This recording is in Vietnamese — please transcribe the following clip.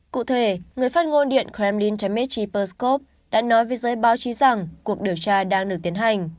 cụ thể người phát ngôn điện kremlin dmitry peskov đã nói với giới báo chí rằng cuộc điều tra đang được tiến hành